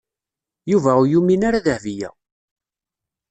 Yuba ur yumin ara Dahbiya.